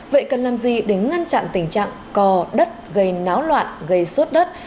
vậy cần làm gì để ngăn chặn tình trạng co đất gây náo loạn gây sốt đất